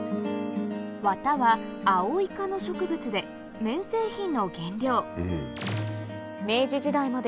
ワタはアオイ科の植物で綿製品の原料